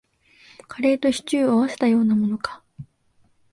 カレーとシチューを合わせたようなものか